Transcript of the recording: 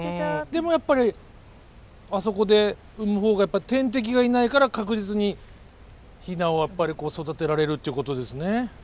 でもやっぱりあそこで産む方がやっぱ天敵がいないから確実にヒナをやっぱりこう育てられるってことですね？